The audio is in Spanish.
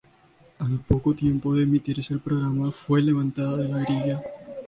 Al poco tiempo de emitirse el programa fue levantado de la grilla.